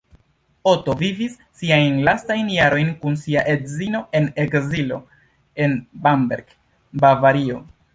Otto vivis siajn lastajn jarojn kun sia edzino en ekzilo en Bamberg, Bavario.